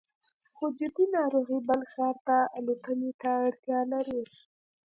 خو جدي ناروغۍ بل ښار ته الوتنې ته اړتیا لري